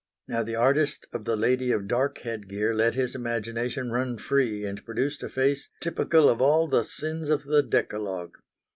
Now the artist of the lady of dark headgear let his imagination run free and produced a face typical of all the sins of the Decalogue.